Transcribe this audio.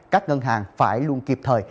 các ngân hàng phải luôn kịp thời